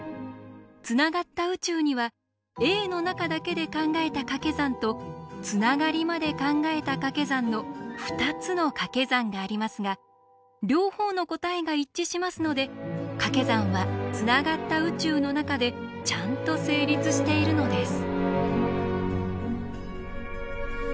つながった宇宙にはＡの中だけで考えたかけ算とつながりまで考えたかけ算の２つのかけ算がありますが両方の答えが一致しますのでかけ算はつながった宇宙の中でちゃんと成立しているのです。